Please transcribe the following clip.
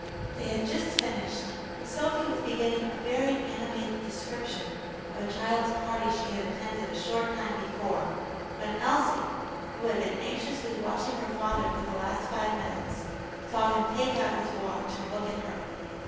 They had just finished, and Sophy was beginning a very animated description of a child's party she had attended a short time before, when Elsie, who had been anxiously watching her father for the last five minutes, saw him take out his watch and look at her.